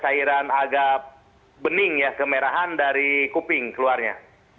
jadi itu adalah penyebab bening ya kemerahan dari kuping keluarnya